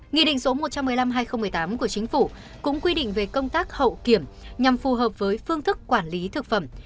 nghị định số một trăm một mươi năm hai nghìn một mươi tám của chính phủ cũng quy định về công tác hậu kiểm nhằm phù hợp với phương thức quản lý thực phẩm